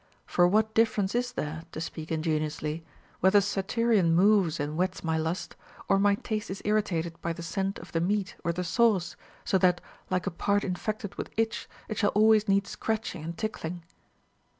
For what difference is there (to speak ingenuously) whether satyrion moves and whets my lust, or my taste is irritated by the scent of the meat or the sauce, so that, like a part infected with itch, it shall always need scratching and tickling 1 8.